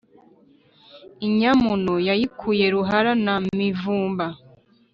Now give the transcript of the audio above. Inyamuno yayikuye Ruraha na Mivumba.